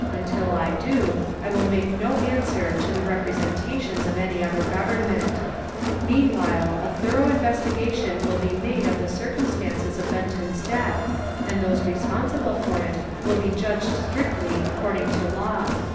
Until I do I will make no answer to the repre sentations of any other government. Meanwhile, a thorou^ investigation will be made of the circum stances of Benton's death, and those responsible for it will be judged strictly according to law."